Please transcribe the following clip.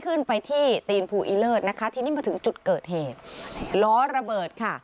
ขึ้นไปที่ตีนภูอีเลิศนะคะทีนี้มาถึงจุดเกิดเหตุล้อระเบิดค่ะ